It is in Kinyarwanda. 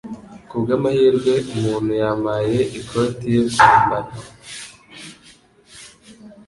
Kubwamahirwe, umuntu yampaye ikoti yo kwambara.